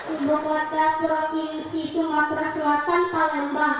ibu kota provinsi sumatera selatan palembang